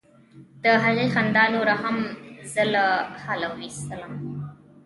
د هغې خندا نوره هم زه له حاله ویستلم.